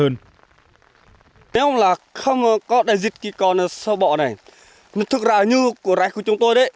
nếu không là không có đầy dịch thì còn sâu bọ này thực ra như của rãi của chúng tôi đấy